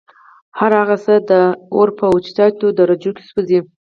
هرڅه د اور په اوچتو درجو كي سوزي